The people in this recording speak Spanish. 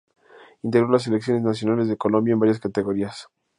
Integró las selecciones nacionales de Colombia en varias categorías.